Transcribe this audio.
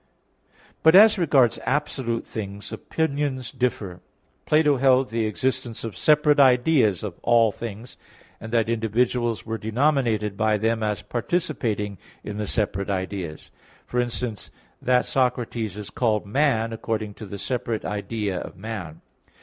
But as regards absolute things opinions differ. Plato held the existence of separate ideas (Q. 84, A. 4) of all things, and that individuals were denominated by them as participating in the separate ideas; for instance, that Socrates is called man according to the separate idea of man.